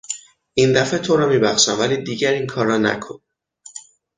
این دفعه تو را میبخشم ولی دیگر این کار را نکن!